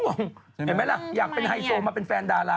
เห็นไหมล่ะอยากเป็นไฮโซมาเป็นแฟนดารา